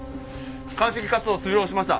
鑑識活動終了しました。